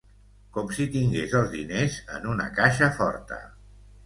Com si tingués els diners en una caixa forta.